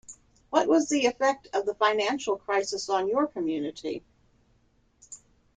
What was the effect of the financial crisis on your community?